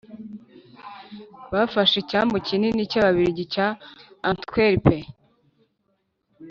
bafashe icyambu kinini cy'ababiligi cya antwerp.